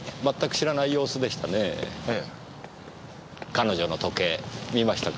彼女の時計見ましたか？